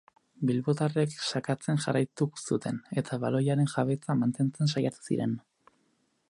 Bilbotarrek sakatzen jarraitu zuten eta baloiaren jabetza mantentzen saiatu ziren.